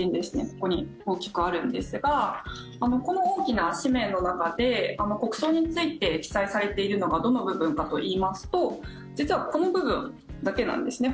ここに大きくあるんですがこの大きな紙面の中で国葬について記載されているのがどの部分かといいますと実はこの部分だけなんですね。